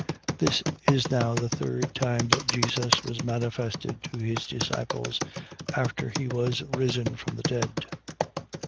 21:14. This is now the third time that Jesus was manifested to his disciples, after he was risen from the dead.